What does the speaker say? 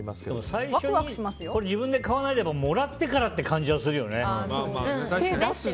最初に自分で買わないでもらってからって感じはするよね。